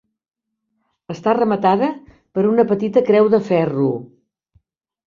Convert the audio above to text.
Està rematada per una petita creu de ferro.